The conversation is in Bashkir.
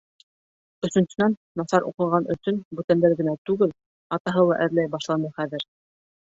Өсөнсөнән, насар уҡыған өсөн, бүтәндәр генә түгел, атаһы ла әрләй башланы хәҙер.